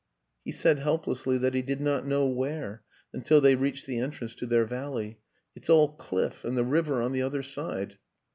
He said helplessly that he did not know where, until they reached the entrance to their valley. " It's all cliff and the river on the other side."